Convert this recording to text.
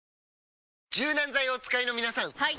柔軟剤をお使いの皆さんはい！